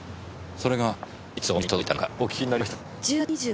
それがいつお店に届いたのかお訊きになりましたか？